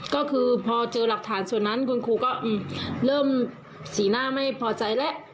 ก็คือพอเจอหลักฐานส่วนนั้นคุณครูก็เริ่มสีหน้าไม่พอใจแล้ว